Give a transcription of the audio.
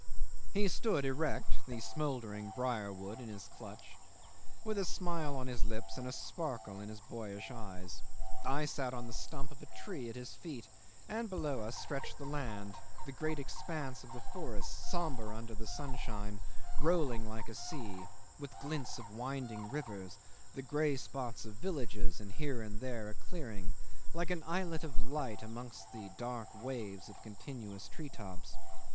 ..." 'He stood erect, the smouldering brier wood in his clutch, with a smile on his lips and a sparkle in his boyish eyes. I sat on the stump of a tree at his feet, and below us stretched the land, the great expanse of the forests, sombre under the sunshine, rolling like a sea, with glints of winding rivers, the grey spots of villages, and here and there a clearing, like an islet of light amongst the dark waves of continuous tree tops.